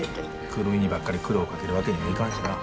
久留美にばっかり苦労かけるわけにもいかんしな。